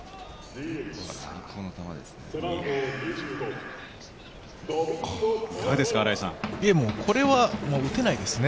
最高の球ですね。